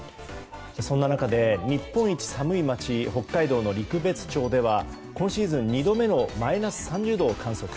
そんな中で日本一寒い町北海道陸別町では今シーズン２度目のマイナス３０度を観測。